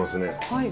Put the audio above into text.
はい。